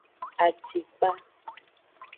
Acikpa.